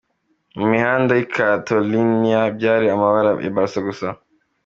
Mu mihanda y'i Catalonia byari amabara ya Barca gusa.